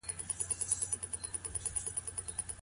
ايا خاوند باید د خپلې مېرمني لګښت ورکړي؟